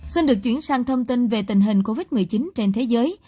xin được chuyển sang thông tin về tình hình covid một mươi chín trên thế giới